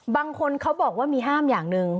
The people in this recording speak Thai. บางคนเขาบอกว่ามีห้ามอย่างหนึ่ง